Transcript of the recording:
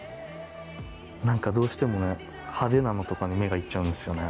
何かどうしても派手なのとかに目が行っちゃうんですよね。